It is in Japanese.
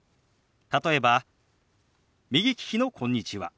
例えば右利きの「こんにちは」。